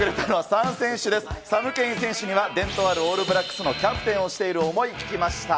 サム・ケイン選手には伝統あるオールブラックスのキャプテンをしている思い聞きました。